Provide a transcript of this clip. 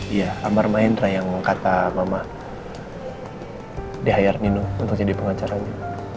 iya amar mahendra yang kata mama dehayar nino untuk jadi pengacaranya